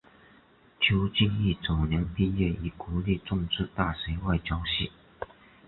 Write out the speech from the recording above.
邱进益早年毕业于国立政治大学外交系。